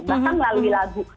bahkan melalui lagu